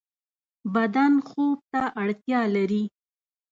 بدن خوب ته اړتیا لری